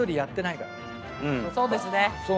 そうですね。